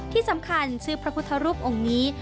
ที่สำคัญชื่อพระพุทธรูปองค์นี้